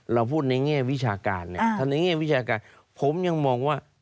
เราพูดในแง่วิชาการเนี่ยถ้าในแง่วิชาการผมยังมองว่า